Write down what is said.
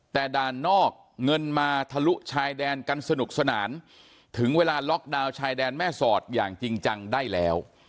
แต่ด่านนอกเงินมาทะลุชายแดนกันสนุกสนานถึงเวลาล็อกดาวน์ชายแดนแม่สอดอย่างจริงจังได้แล้ว